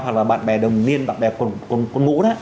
hoặc là bạn bè đồng niên bạn bè cùng ngũ